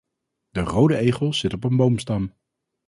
De rode egel zit op een boomstam.